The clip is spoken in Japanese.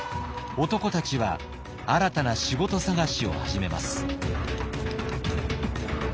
男たちは新たな仕事探しを始めます。